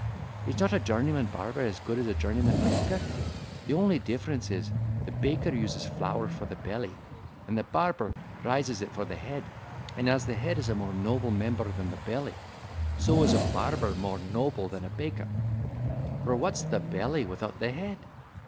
Is not a journeyman barber as good as a journeyman baker? The only difference is, the baker uses flour for the belly, and the barber rises it for the head: and as the head is a more noble member than the belly, so is a barber more noble than a baker—for what's the belly without the head?